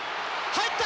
入った！